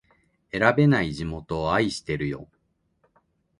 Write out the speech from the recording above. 選べない地元を愛してるよ